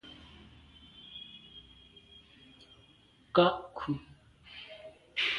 Nka’ kù.